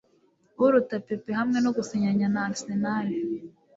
uruta Pepe hamwe no gusinyana na Arsenal